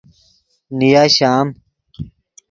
نیا شام